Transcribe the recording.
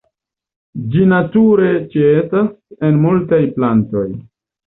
Ĝi nature ĉeestas en multaj plantoj.